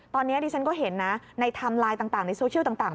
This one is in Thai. ตอนนี้ดิฉันก็เห็นนะในไทม์ไลน์ต่างในโซเชียลต่าง